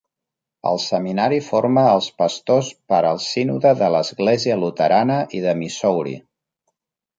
El seminari forma els pastors per al Sínode de l'Església Luterana i de Missouri.